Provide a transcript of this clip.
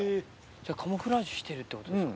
じゃあカムフラージュしてるってことですか。